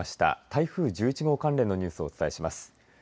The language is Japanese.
台風１１号関連のニュースをお伝えします。